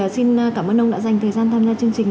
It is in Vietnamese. xin cảm ơn ông đã dành thời gian tham gia chương trình